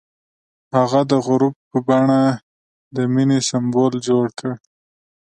هغه د غروب په بڼه د مینې سمبول جوړ کړ.